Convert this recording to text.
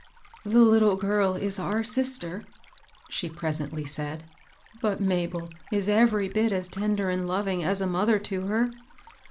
" The little girl is our sister," she presently said ;" but Mabel is every bit as tender and loving as a mother to her.